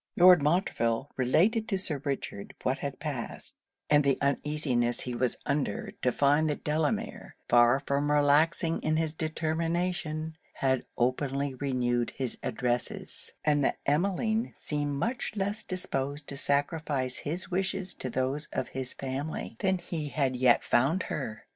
Lord Montreville related to Sir Richard what had passed, and the uneasiness he was under to find that Delamere, far from relaxing in his determination, had openly renewed his addresses; and that Emmeline seemed much less disposed to sacrifice his wishes to those of his family, than he had yet found her.